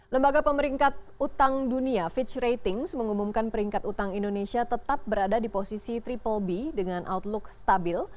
lembaga pemeringkat utang dunia fitch ratings mengumumkan peringkat utang indonesia tetap berada di posisi triple b dengan outlook stabil